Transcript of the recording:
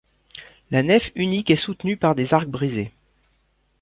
La nef unique est soutenue par des arcs brisés.